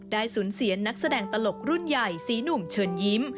สูญเสียนักแสดงตลกรุ่นใหญ่สีหนุ่มเชิญยิ้ม